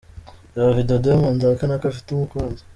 Reba Video Diamond ahakana ko afite umukunzi.